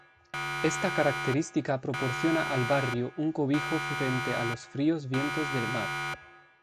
Esta característica proporciona al barrio un cobijo frente a los fríos vientos del mar.